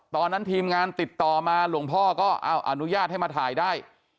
ตอนนั้นทีมงานติดต่อมาหลวงพ่อก็อนุญาตให้มาถ่ายได้